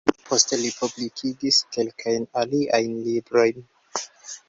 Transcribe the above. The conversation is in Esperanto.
Poste li publikigis kelkajn aliajn librojn.